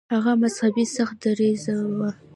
هغه مذهبي سخت دریځه و.